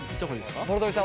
諸富さん